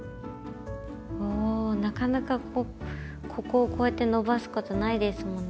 おなかなかこうここをこうやって伸ばすことないですもんね。